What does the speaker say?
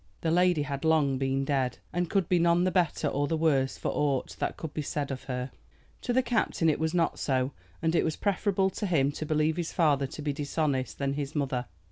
The lady had long been dead, and could be none the better or the worse for aught that could be said of her. To the captain it was not so, and it was preferable to him to believe his father to be dishonest than his mother.